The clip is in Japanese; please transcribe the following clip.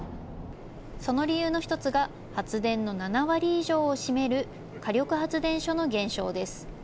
その理由の一つが、発電の７割以上を占める火力発電所の減少です。